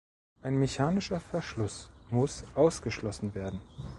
Ein mechanischer Verschluss muss ausgeschlossen werden.